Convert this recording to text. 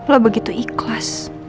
lo begitu ikhlas